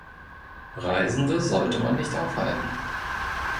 Reisende sollte man nicht aufhalten.